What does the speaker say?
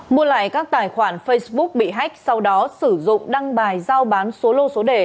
mua lại các tài khoản facebook bị hách sau đó sử dụng đăng bài giao bán số lô số đề